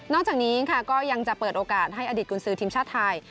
จากนี้ค่ะก็ยังจะเปิดโอกาสให้อดีตกุญสือทีมชาติไทย